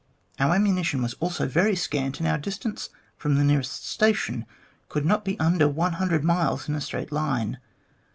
Our ammunition was also very scant, and our distance from the nearest station could not be under one hundred miles in a straight line.